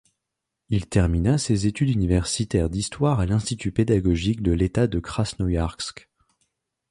Il termina ses études universitaires d'histoire à l'Institut pédagogique de l'État de Krasnoïarsk.